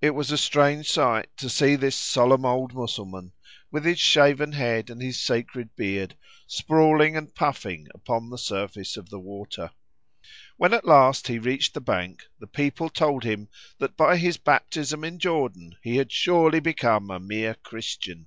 It was a strange sight to see this solemn old Mussulman, with his shaven head and his sacred beard, sprawling and puffing upon the surface of the water. When at last he reached the bank the people told him that by his baptism in Jordan he had surely become a mere Christian.